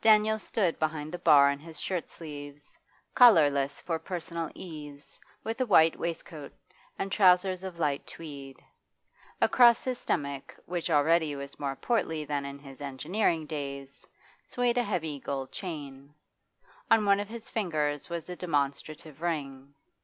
Daniel stood behind the bar in his shirt sleeves, collarless for personal ease, with a white waistcoat, and trousers of light tweed. Across his stomach, which already was more portly than in his engineering days, swayed a heavy gold chain; on one of his fingers was a demonstrative ring.